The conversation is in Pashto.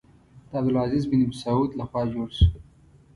د عبدالعزیز بن سعود له خوا جوړ شو.